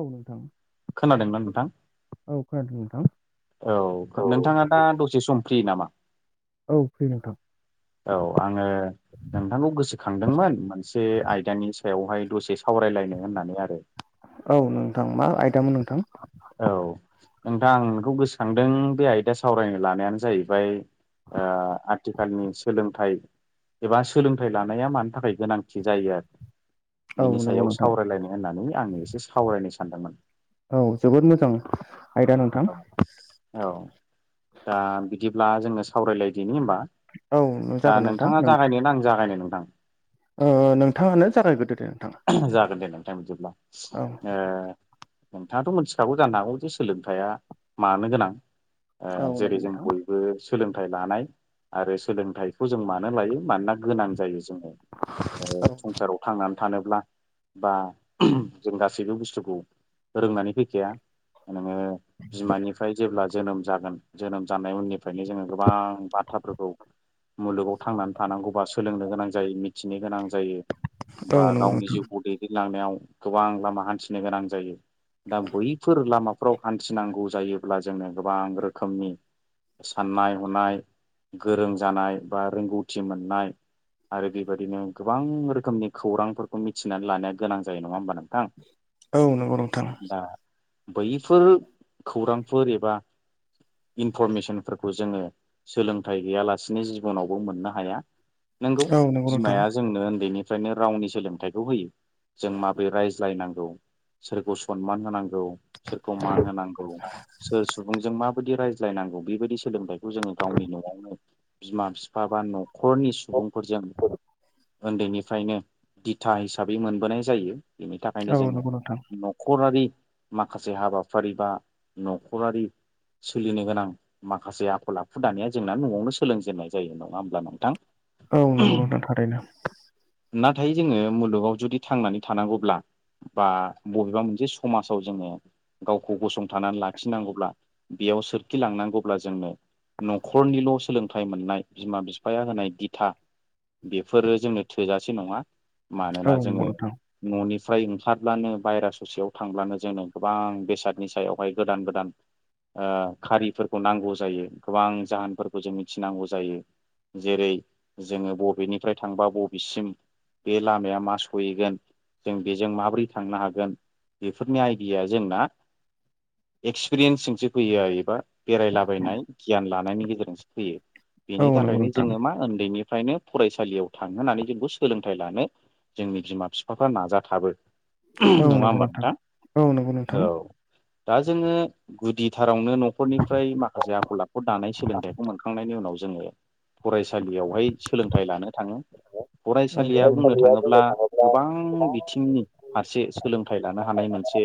औ नोंथां। खोनादोंना नोंथां? औ खोनादों नोंथां औ नोंथाङा दा दसे सम फ्रि नामा? औ फ्रि नोंथां। औ आंङो नोंथांखौ गोसोखांदोंमोन मोनसे आयदानि सायाव सायावहाय दसे सावरायलायनो होननानै आरो औ नोंथां मा आयदामोन नोंथां औ नोंथां आं नोंखौ गोसोखांदों बे आयदा सावरायनो लानायानो जाहैबाय ओ आथिखालनि सोलोंथाइ एबा सोलोंथाइ लानाया मानि थाखाय गोनांथि जायो आरो औ बिनि नंगौ सायाव नोंथां सावरायलायनो होननानै आंङो एसे सावरायनो सानदोंमोन। औ जोबोद मोजां आयदा नोंथां औ औ दा बिदिब्ला जोंनो सावरायलायदिनि होमबा औ दा जागोन नोंथां नोंथांङा नोंथां जागायनोन आं जागायनो नोंथां ओ नोंथांङानो जागाय ग्रोदो जागोन दे नोंथ बिदिब्ला औ ओ नोंथांङाथ' मिथिखागौ जानो हागौ जे सोलोंथायाइया मानो गोनां ओ औ नंगौ जेरै जों नोंथां बयबो सोलोंथाइ लानाय आरो सोलोंथाइखौ जों मानो लायो मानोना गोनां जायो जोंङो ओ औ संसाराव थांनानै थानोब्ला बा जों गासैबो बुस्थुखौ रोंनानै फैखाया नोंङो बिमानिफ्राय जेब्ला जोनोम जागोन जोनोम जानाय उननि फ्रायनो जोंङो गोबां बाथ्राफोरखौ मुलुगाव थांनानै थानांगौबा सोलोंनो गोनां जायो मिथिनो गोनां जायो बा औ नंगौ गावनि नोंथां जिउखौ दैदेनलांनायाव गोबां लामा हान्थिनो गोनां जायो। दा बैफोर लामाफोराव हान्थिनांगौ जायोब्ला जोंनो गोबां रोखोमनि साननाय हनाय गोरों जानाय बा रोंगौथि मोननाय आरो बेबायदिनो गोबां रोखोमनि खौरांफोरखौ मिथिनानै लानाया गोनां जायो नंङा होमबा नोंथां औ नंगौव नोंथां दा बैफोर खौरांफोर एबा इनफरमेसनफोरखौ जोंङो सोलोंथाइ गैयालासिनो जिबनावबो मोननो हाया नोंगौ औ नंगौ नोंथां बिमाया जोंनो उन्दैनि निफ्रायनो रावनि सोलोंथाइखौ होयो जों माबोरै रायज्लायनांगौ सोरखौ सनमान होनांगौ सोरखौ मान होनांगौ सोर सुबुंजों माबायदि रायज्लायनांगौ बेबायदि सोलोंथाइ जोंङो गावनि न'आवनो बिमा बिफा बा न'खरनि सुबुंफोरजों ओन्दैनिफ्रायनो दिथा हिसाबै मोनबोनाय जायो। बेनि औ थाखायनो जोंङो नंगौ नोंथां न'खरारि माखासे हाबाफारि बा न'खरारि सोलिनो गोनां माखासे आखल आखु दानाया जोंना न'आवनो सोलोंजेननाय जायो नंङा होमब्ला नोंथां। औ नंगौ नोंथां थारैनो नाथाय जोंङो मुलुगाव जुदि थांनानै थानांगौब्ला बा बबेबा मोनसे समाजाव जोंङो गावखौ गसंथानानै लाखिनांगौब्ला बे बेयाव सोरखि लांनांगौब्ला जोंनो न'खरनिल' सोलोंथाइ मोननाय बिमा बिफाया होनाय दिथा बेफोरो जोंनो थोजासे नंङा औ मानोना नंगौ जोंङो नोंथां न'नि फ्राय ओंखारब्लानो बायहेरा ससेयाव थांब्लानो जोंङो गोबां बेसादनि सायावहाय गोदान गोदान ओ खारिफोरखौ नांगौ जायो गोबां जाहोनफोरखौ जों मिथिनांगौ जायो जेरै जोंङो बबेनिफ्राय थांबा बबेसिम बे लामाया मा सहैगोन जों बेजों माबोरै थांनो हागोन बेफोरनि आइडिया जोंना एक्सपिरियेन्सजोंसो फैयो एबा बेरायलाबायनाय गियान लानायनि गेजेरजोंसो फैयो औ बेनि नंगौ थाखायनो नोंथां जोंङो मा ओन्दैनिफ्रायनो फरायसालियाव थांहोनानै जोंखौ सोलोंथाइ लानो जोंनि बिमा बिफाफ्रा नाजाथाबो औ नंङा नंगौ होमबा नोंथां? औ नंगौ औ नोंथां दा जोंङो गुदि थारावनो न'खरनिफ्राय माखासे आखल आखु दानाय सोलोंथाइखौ मोनखांनायनि उनाव जोंङो फरायसालियावहाय सोलोंथाइ लानो थांङो। औ फरायसालिया नंगौ बुंनो नोंथां थाङोब्ला गोबां बिथिंनि फारसे सोलोंथाइ लानो हानाय मोनसे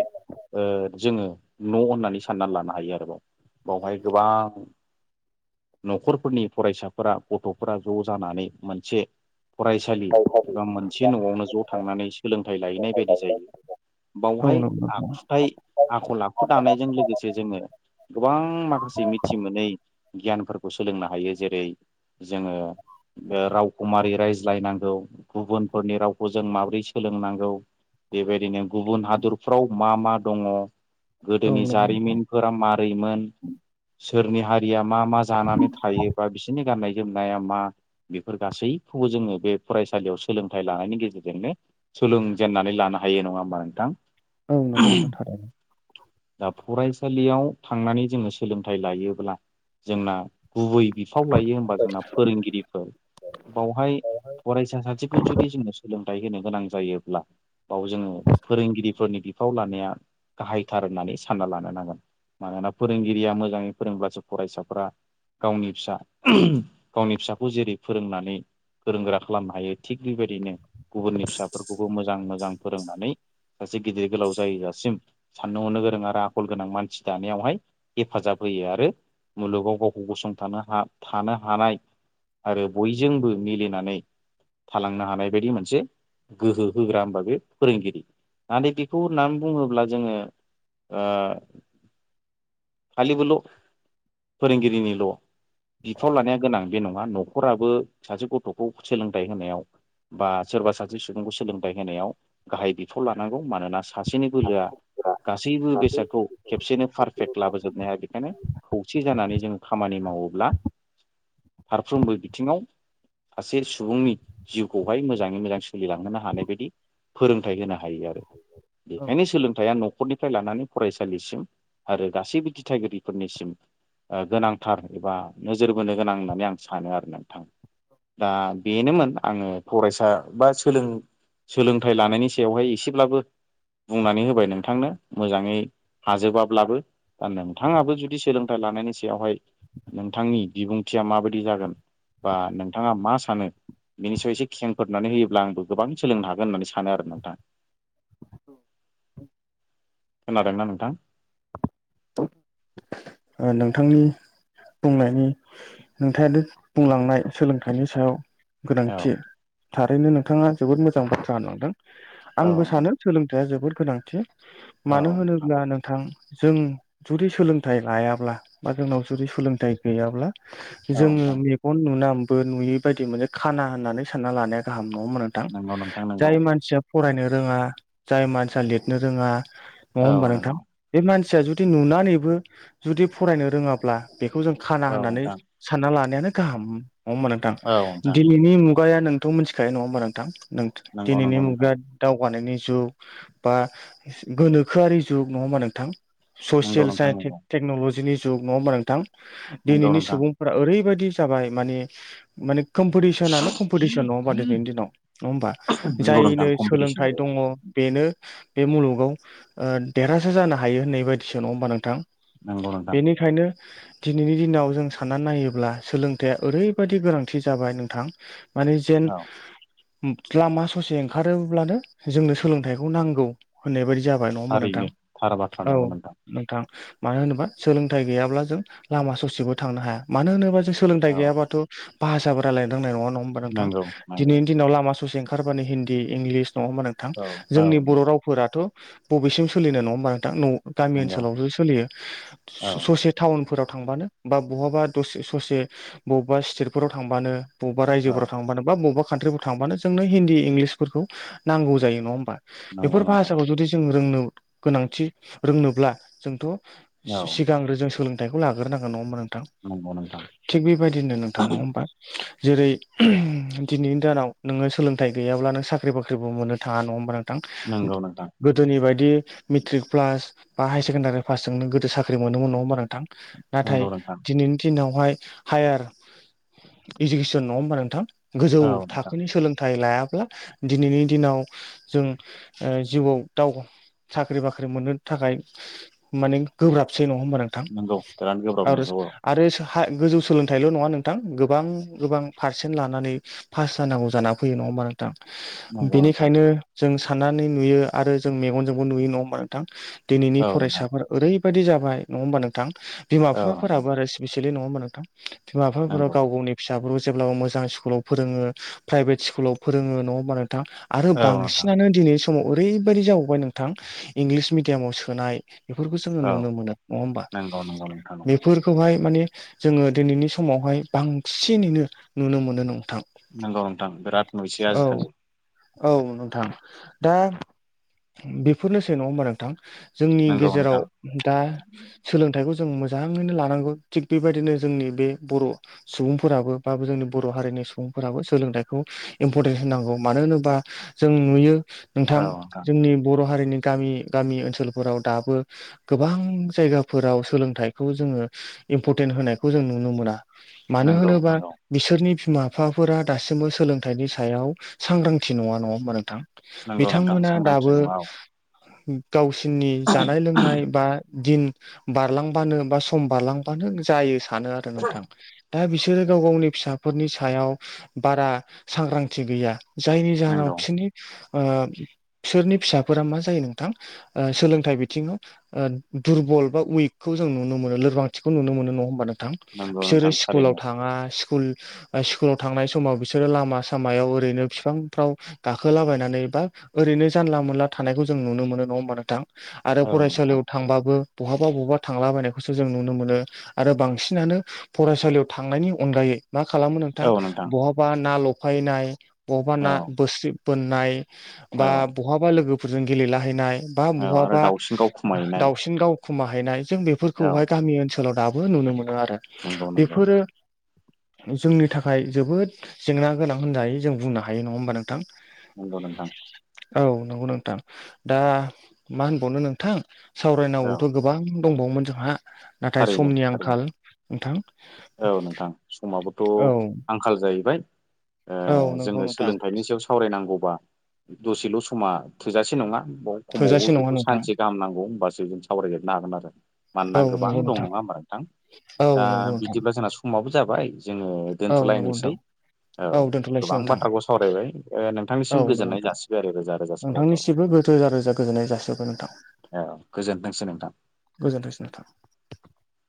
जोङो न' होननानै साननानै लानो हायो आरो बावहाय गोबां न'खरफोरनि फरायसाफोरा गथ'फोरा ज' जानानै मोनसे फरायसालि एबा मोनसे न'आवनो ज' थांनानै सोलोंथाइ लाहैनाय बायदि जायो। औ बावहाय नंगौ नोंथां आखुथाय आखल आखु दानायजों लोगोसे जोंङो गोबां माखासे मिथि मोनै गियानफोरखौ सोलोंनो हायो जेरै जोंङो रावखुमारि रायजो बुजायनांगौ गुबुनफोरनि रावखौ जों माबोरै सोलोंनांगौ बेबायदिनो गुबुन हादरफ्राव मा मा दङ औ गोदोनि नंगौ जारिमिनफोरा मारैमोन सोरनि हारिया मा मा जानानै थायो बा बिसोरनि गाननाय जोमनाया मा बेफोर गासैखौबो जोङो बे फरायसालियाव सोलोंथाइ लानायनि गेजेरजोंनो सोलोंजेननानै लानो हायो नंङा होमबा नोंथां‍? औ नांगौ नोंथां' थारैनो। दा फरायसालियाव थांनानै जोङो सोलोंथाइ लायोब्ला जोंना गुबै बिफाव लायो होनबा जोंना फोरोंगिरिफोर बावहाय फरायसा सासे जुदि सां फोथाय होनो गोनां जायोब्ला बाव जोङो फोरोंगिरिफोरनि बिफाव लानाया गाहायथार होननानै सानना लानो नांगोन मानोना फोरोंगिरिया मोजांङै फोरोंब्लासो फरायसाफोरा गावनि फिसा गावनि फिसाखौ जेरै फोरोंनानै गोरों गोग्रा खालामनो हायो थिग बेबायदिनो गुबुननि फिसाफोरखौबो मोजां मोजां फोरोंनानै सासे गिदिर गोलाव जाहैयासिम साननो हनो गोरों आरो आखल गोनां मानसि दानायावहाय हेफाजाब होयो। फैयो आरो मुलुगाव गावखौ गसंथानो हा थानो हानाय आरो बयजोंबो मिलिनानै थालांनो हानाय बायदि मोनसे गोहो होग्रा होबा बे फोरोंगिरि नाथाय बेखौ होननानै बुङोब्ला जोङो आ [inaudible] खालि बोल' फोरोंगिरिनिल' बिफाव लानाया गोनां बे नङा न'खराबो सासे गथ' बे सोलोंथाइ होनायाव बा सोरबा सासे सुबुंखौ सोलोंथाइ होनायाव गाहाय बिफाव लानांगौ। मानोना सासेनि बोलोआ गासैबो बेसादखौ खेबसेनो पारफेक्ट लाबोजोबनो हाया। बेखायनो खौसे जानानै जों खामानि मावोब्ला फारफ्रोमबो बिथिंङाव सासे सुबुंनि जिउखौहाय मोजाङै मोजां सोलिलांहोनो हानाय बायदि फोरोंथाइ होनो हायो आरो बेखायनो सोलोंथाइया न'खरनिफ्राय लानानै फरायसालिसिम आरो गासैबो दिथागिरिफोरनिसिम ओ गोनांथार एबा नोजोर बोनो गोनां होननानै आं सानो आरो नोंथां दा बेनोमोन आंङो फरायसा बा सोलों सोलोंथाइ लानायनि सायावहाय एसेब्लाबो बुंनानै होबाय नोंथांनो मोजाङै हाजोबाब्लाबो। दा नोंथाङाबो जुदि सोलोंथाइ लानायनि सायावहाय नोंथांनि बिबुंथिया माबायदि जागोन बा नों नोंथांङा मा सानो बिनि सायाव एसे खेंफोरनानै होयोब्ला आंबो गोबां सोलोंनो हागोन होननानै सानो आरो नोंथां। औ‌। खोनादोंना नोंथां? [inaudible] नोंथांनि बुंनायनि नोंथानो बुंलांनाय सोलोंथाइनि सायाव औ गोनांथि थारैनो नोंथाङा जोबोद मोजां बाथ्रा होनलांदों। औ आंबो नोंथां सानो सोलोंथाइया जोबोद गोनांथि मानो होनोब्ला नोंथां जों जुदि सोलोंथाइ लायाब्ला बा जोंनाव जुदि सोलोंथाइ गैयाब्ला औ जोङो नोंथां मेगन नुनानैबो नुयि बायदि मोनाने खाना होननानै सानना लानाया गाहाम नङा होमबा नोंथां? औ नोंथां नंगौ जाय मानसिया फरायनो रोंङा जाय मानसिया लिरनो रोंङा नोंथां नङा होमबा नोंथां? नंगौ बे मानसिया जुदि नुनानैबो जुदि फरायनो रोङाब्ला बेखौ जों औ नंगौ खाना औ होननानै नोंथां सानना लानायानो गाहाम नंङा होना नोंथां। औ नोंथां दिनैनि मु मुगाया नोंथ' मिथिखायो नङा होमबा नोंथां नंगौ दिनैनि नंगौ नोंथां मुगाया दाव गानायनि जुग बा गोनोखोआरि जुग नङा होमबा नोंथां? नंगौ ससियेल नोंथां साइन्स नंगौ टेक्न'लजिनि जुग नङा होमबा नोंथां नंगौ दिनैनि नोंथां सुबुंफोरा ओरैबायदि जाबाय माने माने कम्पिटिसनानो कम्पिटिसन नङा होमबा दिनैनि दिनाव। नङा होमबा, नंगौ नोंथां जायनो कम्पिटिसन सोलोंथाइ जाबाय औ दङ बेनो बे मुलुगाव ओ देरहासार जानो हायो होननाय बायदिसो नङा होमबा नोंथां? नंगौ नोंथां। बेनिखायनो दिनैनि दिनाव जों साननानै नायोब्ला सोलोंथाया ओरैबायदि गोनांथि जाबाय नोंथां। माने जेन औ लामा ससे ओंखारोब्लानो जोंनो सोलोंथाइखौ नांगौ होननाय बायदि जाबाय नङा होमा नोंथां? थारैनो थार बाथ्रा औ नंगौ नोंथां। मानो होनोबा सोलोंथाइ गैयाब्ला जों लामा ससेबो थांनो हाया। मानो होनोबा जों सोलोंथाइ औ गैयाबाथ भाषाबो रायलाय रोंनाय नङा, नङा होनमबा नोंथां नंगौ नंगौ नैनि दिनाव लामा ससे ओंखारबानो हिन्दी इंलिस नङा होमबा नोंथां औ औ जोंनि बर' नोंथां रावफोराथ' बबेसिम सोलिनाय नङा होमबा नोंथां न' गामि नंगौ ओनसोलावसो सोलियो औ ससे थाउन फोराव थांबानो बा बहाबा दसे ससे बबेबा स्टेटफोराव थांबानो बबबा औ रायजोफ्राव थांबानो बबबा कानट्रिफोराव थांबानो जोंनो हिन्दि इंलिसफोर फोरखौ नांगौ जायो नङा होमबा? नंगौ बेफोर नोंथां भाषाखौ जुदि जों रोंनो गोनांथि रोंनोब्ला जोंथ औ सिगांग्रो जों सोलोंथाइखौ लाग्रोनांगोन नङाहोनबा नों थां। नंगौ नोंथां थिग बेबायदिनो नोंथां नङा होमबा। जेरै दिनैनि दानाव नोङो सोलोंथाइ गैयाब्ला नों साख्रि बाख्रिबो मोननो थाङा नङा होमबा नों थां। नंगौ नोंथां गोदोनि बायदि मेट्रिक प्लास बा हायार सेकेण्डारि फासजोंनो गोदो साख्रि मोनोमोन नङा नोंथां? नाथाय नंगौ नोंथां दिनैनि दिनाव बेहाय हायार इडुकेसन नङा होमबा नोंथां? गोजौ औ नोंथां थाखोनि सोलोंथाइ लाया ब्ला दिनैनि दिनाव जों ओ जिउआव दाव साख्रि बाख्रि मोननो थाखाय माने गोब्राबसै नङा होमबा नोंथां? नंगौ बिराद गोब्राब आरो नंगौ औ आरो हा गोजौ सोलोंथाइल' नङा नोंथां गोबां गोबां पारसेन्ट लानानै पास जानांगौ जाना फैयो नङा होनबा नों थां। नंगौ नोंथां बेनिखायनो जों साननानै नुयो आरो जों मेगनजोंबो नुयो नङा होमबा नोंथां? दिनैनि औ नोंथां फरायसा ओरैबायदि जाबाय नङा होमबा नोंथां बिमा औ नोंथां बिफाफोराबो आरो स्पेसियेलि नङा होमबा नोंथां? बिमा बिफाफोरा नंगौ गाव गावनि फिसाफोरखौ जेब्लाबो मोजां स्कुलाव फोरोंङो प्राइभेट स्कुलाव फोरोंङो नङा होनबा नों नोंथां आरो औ नोंथां बांसिनानो दिनैनि समाव ओरैबायदि जाबावबाय नोंथां इंलिस मिडियामाव सोनाय बेफोरखौ जोंङो औ नुनो मोनो नङा होमबा? नंगौ नंगौ नोंथां नंगौ बेफोरखौहाय मानि जोङो दिनैनि समावहाय बांसिनैनो नुनो मोनो न नंगौ नोंथां बिराद नुसै आजिखालि। औ नोंथां। दा बेफोरनोसै नङा होमबा नोंथां? जोंनि नंगौ गेजेराव नोंथां दा सोलोंथाइखौ जों मोजाङैनो लानांगौ थिग बेबायदिनो जोंनि बे बर' सुबुंफोराबो बा जोंनि बर' हारिनि सुबुंफोराबो सोलोंथाइखौ इम्परटेन्स होनांगौ मानो होनोबा जों नुयो नोंथां जोंनि बर हारिनि गामि गामि ओनसोलफोराव दाबो गोबां जायगाफोराव सोलोंथाइखौ जोङो इम्परटेन्ट होनायखौ जों नुनो मोना। मानो नंगौ होनोबा नंगौ बिसोरनि बिमा बिफाफोरा दासिमबो सोलोंथाइनि सायाव सांग्रांथि नङा नङा होनबा नोंथां? नंगौ नोंथां बिथांमोना सांग्रांथि दाबो नङा औ गावसोरनि जानाय लोंनाय बा दिन बारलांबानो बा सम बारलांबानो जायो सानो आरो नोंथां। दा बिसोरो गाव गावनि फिसाफोरनि सायाव बारा सांग्रांथि गैया। जायनि जाहोनाव नंगौ बिसोरनि ओ बि फिसोरनि फिसाफोरा मा जायो नोंथां ओ सोलोंथाइ बि बिथिंङाव ओ दुरबल बा उइकखौ जों नुनो मोनो लोरबांथिखौ नुनो मोनो नंङा होमबा नों नोंथां नंगौ बिसोरो नोंथां थारैनो स्कुलाव थांङा स्कुल स्कुलाव थांनाय समाव बिसोरो लामा सामायाव ओरैनो फिफांफ्राव गाखोलाबायनानै बा ओरैनो जानला मोनला थानायखौ जों नुनो मोनो नंङा होमब नोंथां आरो औ नोंथां फरायसालियाव थांबाबो बहाबा बहाबा थांलाबायनायखौसो जों नुनो मोनो आरो बांसिनानो फरायसालियाव थांनायनि अनगायै मा खालामो नोंथां बहाबा ना लफायनाय बहाबा औ ना बोस्रि बोननाय औ बा बहाबा लोगोफोरजों गेलेलाहैनाय बा औ आरो बहाबा दाउसिन गाव खमायनाय दावसिन दाव खमाहैनाय जों औ बेफोरखौहाय गामि ओनसोलाव दाबो नुनो मोनो आरो नंगौ नंगौ बेफोरो जोंनि थाखाय जोबोद जेंना गोनां होनजायो जों बुंनो हायो नंङा होमबा नोंथां नंगौ नोंथां औ नंगौ नोंथां दा मा होनबावनो नोंथां औ सावरायनांगौथ' गोबां दंबावोमोन जोंहा नाथाय थारैनो समनि थारैनो आंखाल नोंथां औ नोंथां औ समाबोथ' आंखाल जाहैबाय ओ औ नंगौ जोंङो नोंथां सोलोंथाइनि सायाव सावरायनांगौबा दसेल समा थोजासे नंङा खम समावबो थोजासे नङा बेखौ नोंथां सानसे गाहामनांगौ होनबासो जों सावरायजोबनो हागोन आरो मानोना औ गोबां नंगौ दं नोंथां नंङा होमबार नोंथां औ दा नंगौ नोंथां बिदिब्ला जोंना समाबबो जाबाय जोंङो औ नंगौ दोन्थ'लायनोसै नोंथां औ दोनथ'लायसै गोबां नोंथां बाथ्राखौ सावरायबाय ओ औ नोंथांनिसिम नंगौ गोजोननाय नोंथां जासिबाय आरो रोजा रोजा साबायखर नोंथांनिसिबो रोजा रोजा गोजोननाय जासिहरबाय नोंथां औ गोजोनथोंसै नोंथां गोजोनथोंसै नोंथां